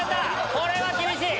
これは厳しい。